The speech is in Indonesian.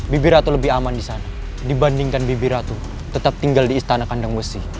bibi ratu lebih aman di sana dibandingkan bibi ratu tetap tinggal di istana kandang musi